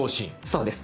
そうです。